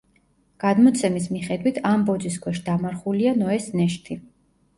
გადმოცემის მიხედვით, ამ ბოძის ქვეშ დამარხულია ნოეს ნეშთი.